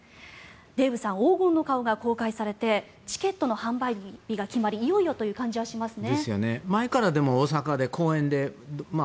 デーブさん黄金の顔が公開されてチケットの販売日が決まりいよいよという感じがしますね。